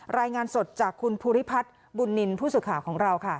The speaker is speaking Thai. รายงานสดจากคุณภูริพัฒน์บุญนินทร์ผู้สื่อข่าวของเราค่ะ